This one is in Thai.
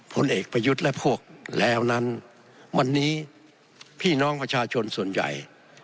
ผลเอกประยุทธ์และพวกแล้วนั้นวันนี้พี่น้องประชาชนส่วนใหญ่